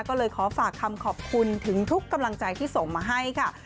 ก็เลยขอฝากคำขอบคุณถึงทุกกำลังใจที่ส่งมาให้ค่ะ